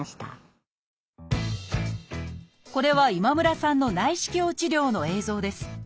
これは今村さんの内視鏡治療の映像です。